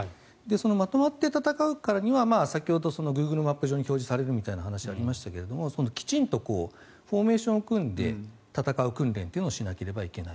まとまって戦うには先ほどグーグルマップ上に表示されるみたいな話がありましたがきちんとフォーメーションを組んで戦う訓練というのをしないといけない。